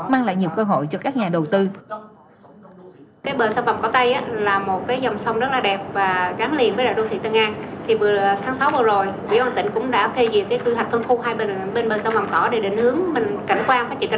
mang lại nhiều cơ hội cho các nhà đầu tư